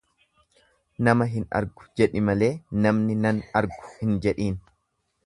Nama hin argu jedhi malee namni nan argu hin jedhin.